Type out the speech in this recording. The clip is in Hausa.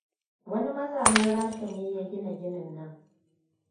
Wani mazanin Rasha ne ya gina ginin nan.